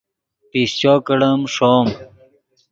پیشچو کڑیم ݰوم